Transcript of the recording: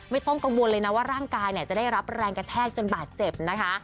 ไม่ต้องกังวลเลยนะว่าร่างกายจะได้รับแรงกระแทกจนบาดเจ็บนะคะ